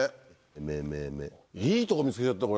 めめめいいとこ見つけちゃったこれ。